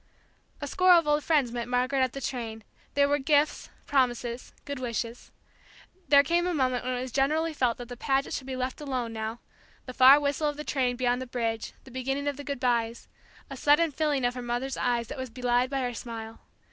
A score of old friends met Margaret at the train; there were gifts, promises, good wishes. There came a moment when it was generally felt that the Pagets should be left alone, now the far whistle of the train beyond the bridge the beginning of good byes a sudden filling of the mother's eyes that was belied by her smile.